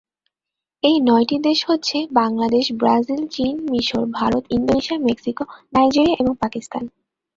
এই নয়টি দেশ হচ্ছেঃ বাংলাদেশ, ব্রাজিল, চীন, মিশর, ভারত, ইন্দোনেশিয়া, মেক্সিকো, নাইজেরিয়া এবং পাকিস্তান।